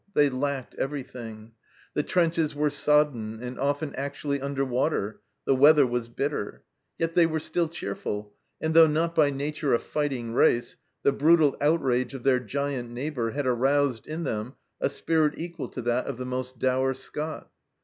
They lacked everything. The trenches were sodden and often actually under water, the weather was bitter ; yet they were still cheerful, and though not by nature a fighting race, the brutal outrage of their giant neighbour had aroused in them a spirit equal to that of the most dour Scot.